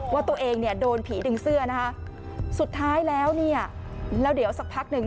ว่าตัวเองโดนผีดึงเสื้อสุดท้ายแล้วแล้วเดี๋ยวสักพักหนึ่ง